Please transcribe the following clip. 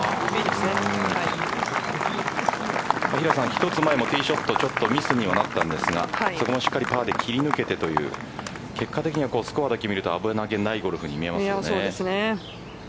一つ前もティーショットちょっとミスにはなったんですがそこもしっかりパーで切り抜けてという結果的にはスコアで見るとそうですね。